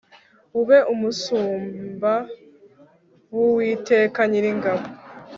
ube umusumba w'uwiteka nyiringabo